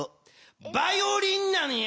バイオリンなんや！